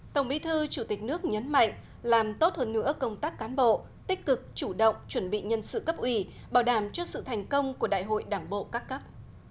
tổng bí thư chủ tịch nước nhấn mạnh làm tốt hơn nữa công tác cán bộ tích cực chủ động chuẩn bị nhân sự cấp ủy bảo đảm trước sự thành công của đại hội đảng bộ các cấp